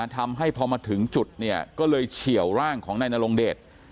ทำให้พอมาถึงจุดเนี่ยก็เลยเฉียวร่างของนายนรงเดช